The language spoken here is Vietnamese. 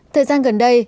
thời gian gần đây